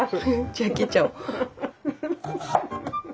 じゃあ切っちゃお。